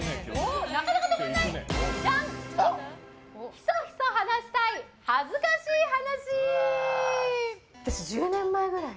ひそひそ話したい恥ずかしい話。